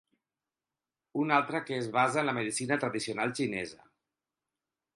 Una altra que es basa en la medicina tradicional xinesa.